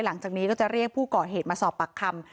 หลังจากนี้ก็จะเรียกผู้ก่อเหตุมาสอบปากคำ